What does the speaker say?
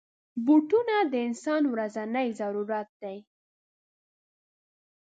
بوټونه د انسان ورځنی ضرورت دی.